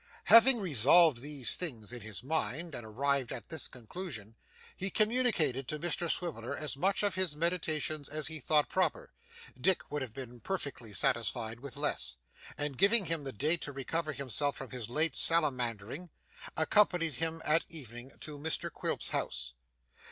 Having revolved these things in his mind and arrived at this conclusion, he communicated to Mr Swiveller as much of his meditations as he thought proper (Dick would have been perfectly satisfied with less), and giving him the day to recover himself from his late salamandering, accompanied him at evening to Mr Quilp's house.